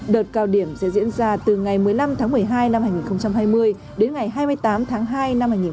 đợt cao điểm sẽ diễn ra từ ngày một mươi năm tháng một mươi hai năm hai nghìn hai mươi đến ngày hai mươi tám tháng hai năm hai nghìn hai mươi một